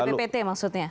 ada bppt maksudnya